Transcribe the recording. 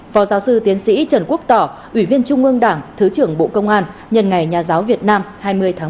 phó giáo sư tiến sĩ trần quốc tỏ ủy viên trung ương đảng thứ trưởng bộ công an nhân ngày nhà giáo việt nam hai mươi tháng một mươi